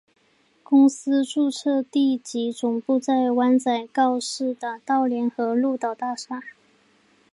公司注册地及总部在湾仔告士打道联合鹿岛大厦。